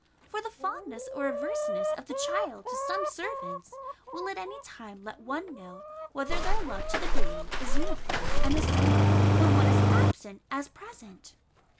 For the fondness or averseness of the child to some servants, will at any time let one know, whether their love to the baby is uniform and the same, when one is absent, as present.